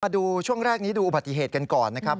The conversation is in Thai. ดูช่วงแรกนี้ดูอุบัติเหตุกันก่อนนะครับ